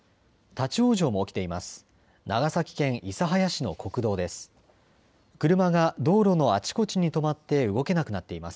立往生も起きています。